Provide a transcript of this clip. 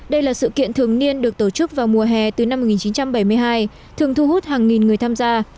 đây là sự kiện thường niên được tổ chức vào mùa hè từ năm một nghìn chín trăm bảy mươi hai thường thu hút hàng nghìn người tham gia